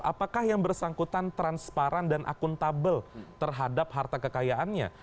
apakah yang bersangkutan transparan dan akuntabel terhadap harta kekayaannya